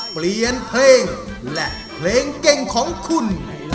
เปลี่ยนเพลงและเพลงเก่งของคุณ